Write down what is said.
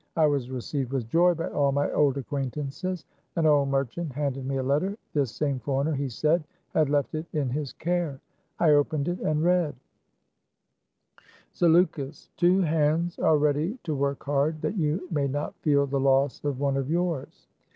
I was received with joy by all my old acquaintances. An old merchant handed me a letter. This same foreigner, he said, had left it in his care. I opened it and read : Zaleukos : Two hands are ready to work hard, that you may not feel the loss of one of yours.